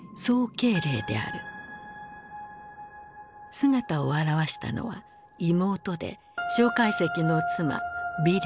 姿を現したのは妹で介石の妻美齢。